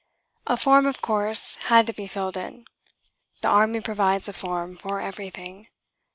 A form, of course, had to be filled in. (The army provides a form for everything.)